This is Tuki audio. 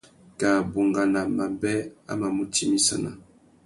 Kā bungana mabê a mà mù timissana.